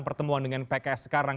pertemuan dengan pks sekarang